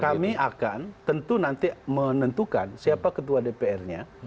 kami akan tentu nanti menentukan siapa ketua dpr nya